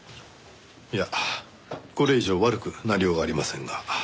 いやこれ以上悪くなりようがありませんが。